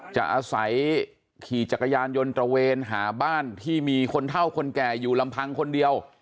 จะอาศัยขี่จักรยานยนต์ตระเวนหาบ้านที่มีคนเท่าคนแก่อยู่ลำพังคนเดียว